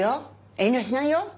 遠慮しないよ。